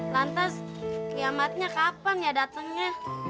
lantas kiamatnya kapan ya datangnya